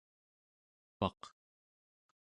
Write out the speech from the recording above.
suupaq